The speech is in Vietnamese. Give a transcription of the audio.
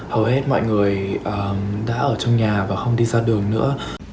hầu hết mọi người đã ở trong nhà và không đi ra đường nữa